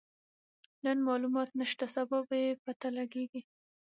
نن مالومات نشته، سبا به يې پته لګيږي.